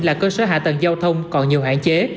là cơ sở hạ tầng giao thông còn nhiều hạn chế